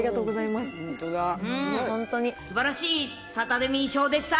すばらしいサタデミー賞でした。